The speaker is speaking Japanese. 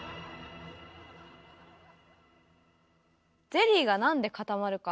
ゼリーがなんで固まるか？